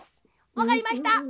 わかりました！